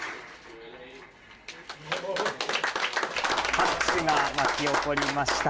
拍手が沸き起こりました。